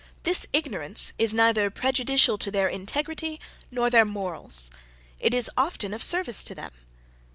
This ignorance is neither prejudicial to their integrity nor their morals; it is often of service to them.